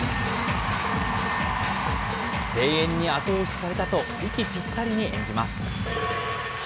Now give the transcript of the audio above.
声援に後押しされたと、息ぴったりに演じます。